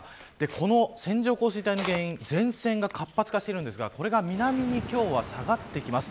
この線状降水帯の原因、前線が活発化しているんですがこれが南に今日は下がってきます。